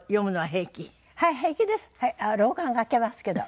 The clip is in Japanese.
あっ老眼かけますけど。